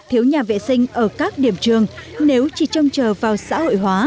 thiếu nhà vệ sinh ở các điểm trường nếu chỉ trông chờ vào xã hội hóa